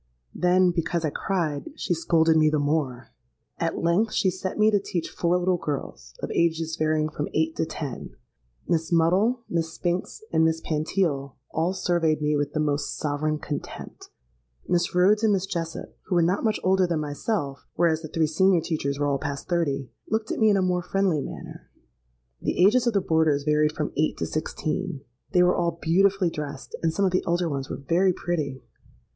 Then, because I cried, she scolded me the more. At length she set me to teach four little girls, of ages varying from eight to ten. Miss Muddle, Miss Spinks, and Miss Pantile, all surveyed me with the most sovereign contempt: Miss Rhodes and Miss Jessop, who were not much older than myself (whereas the three senior teachers were all past thirty) looked at me in a more friendly manner. The ages of the boarders varied from eight to sixteen. They were all beautifully dressed; and some of the elder ones were very pretty.